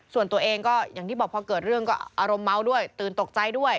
ส่วนตัวเองก็อย่างที่บอกพอเกิดเรื่องก็อารมณ์เมาด้วยตื่นตกใจด้วย